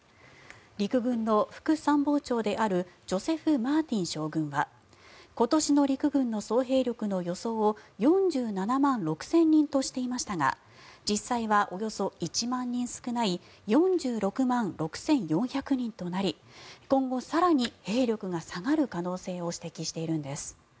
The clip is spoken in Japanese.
陸軍の副参謀長であるジョセフ・マーティン将軍は今年の陸軍の総兵力の予想を４７万６０００人としていましたが実際はおよそ１万人少ない４６万６４００人となり今後更に、兵力が下がる可能性を指摘しているんです。